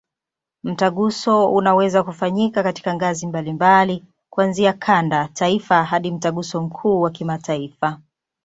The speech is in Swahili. Mtaguso unaweza kufanyika katika ngazi mbalimbali, kuanzia kanda, taifa hadi Mtaguso mkuu wa kimataifa.